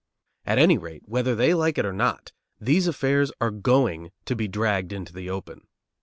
At any rate, whether they like it or not, these affairs are going to be dragged into the open.